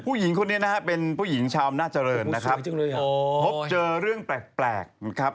ผู้หญิงคนนี้เป็นผู้หญิงชาวอำนาจรณพบเจอเรื่องแปลก